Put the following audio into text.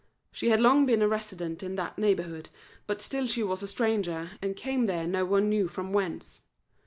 She had long been a resident in that neighbourhood, but still she was a stranger, and came there no one knew from whence.